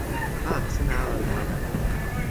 a, sina ale li pona.